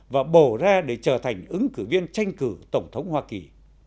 và bổ ra để trở thành ứng cử viên tranh cử tổng thống hoa kỳ